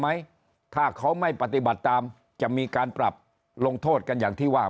ไหมถ้าเขาไม่ปฏิบัติตามจะมีการปรับลงโทษกันอย่างที่ว่า